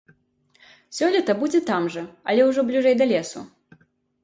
Сёлета будзе там жа, але ўжо бліжэй да лесу.